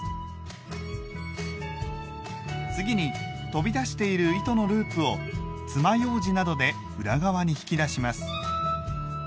次に飛び出している糸のループをつまようじなどで裏側に引き出します。